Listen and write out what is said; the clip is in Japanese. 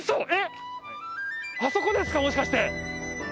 あそこですかもしかして。